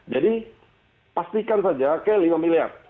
jadi pastikan saja oke lima miliar